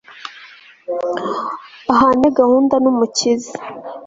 ahane gahunda n'umukiza